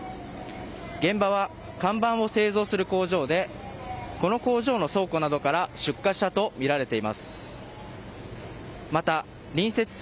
現場は看板を製造する工場でこの工場の倉庫などから出火したとみられています。